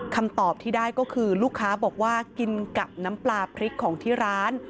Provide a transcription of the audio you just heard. คำตอบที่ได้ก็คือลูกค้าบอกว่ากินกับน้ำปลาพริกของที่ร้าน